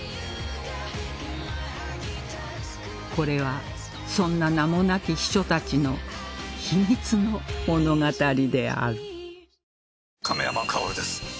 これはそんな名もなき秘書たちの秘密の物語である